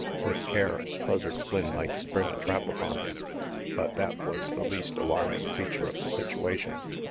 With care. Buzzard Flynn might spring a trap upon him; but that was the least alarming feature of the situation.